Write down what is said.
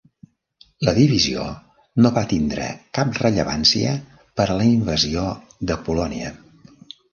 La divisió no va tindre cap rellevància per a la invasió de Polònia.